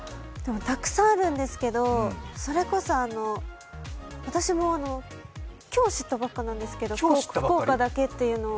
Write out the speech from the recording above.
たくさんあるんですけど、それこそ私も今日知ったばっかなんですけど、福岡だけというのを。